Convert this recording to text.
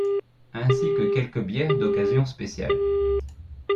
Ainsi que quelques bières d'occasion spéciale.